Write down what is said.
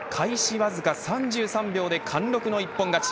わずか３３秒で貫禄の一本勝ち。